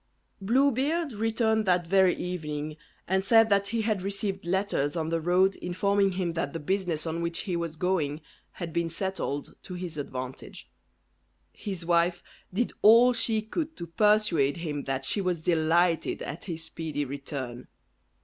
Blue Beard returned that very evening, and said that he had received letters on the road informing him that the business on which he was going had been settled to his advantage. His wife did all she could to persuade him that she was delighted at his speedy return.